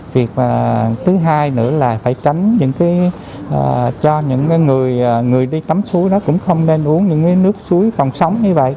việc thứ hai nữa là phải tránh những cái cho những người người đi tắm suối nó cũng không nên uống những nước suối còn sống như vậy